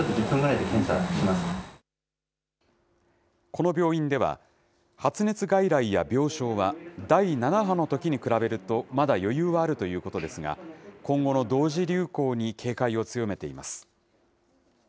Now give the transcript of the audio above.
この病院では、発熱外来や病床は、第７波のときに比べるとまだ余裕はあるということですが、今後の同時流行に警戒を強めています。